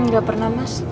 gak pernah mas